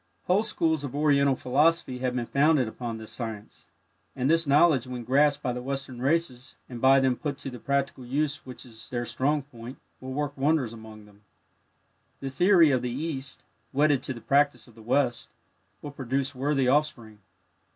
Whole schools of Oriental Philosophy have been founded upon this science, and this knowledge when grasped by the Western races, and by them put to the practical use which is their strong point, will work wonders among them. The theory of the East, wedded to the practice of the West, will produce worthy offspring.